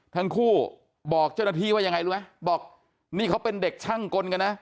ทั้งคู่บอกเจ้าหน้าที่ว่ายังไงรู้ไหมบอกนี่เขาเป็นเด็กช่างกลกันนะ